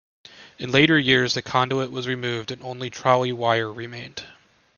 In later years the conduit was removed and only trolley wire remained.